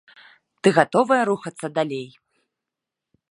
Ты гатовая рухацца далей?